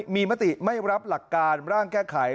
มีมติไม่รับหลักการร่างแก้ไข